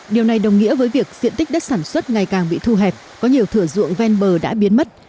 điều này đồng nghĩa với việc diện tích đất sản xuất ngày càng bị thu hẹp có nhiều thửa ruộng ven bờ đã biến mất